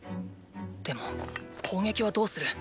でも攻撃はどうする？